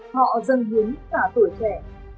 họ dâng hiếm cả tuổi trẻ